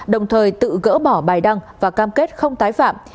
đồng thời tự gỡ bỏ bài đăng và cam kết không tái phạm